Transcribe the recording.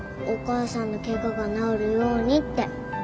お母さんの怪我が治るようにって。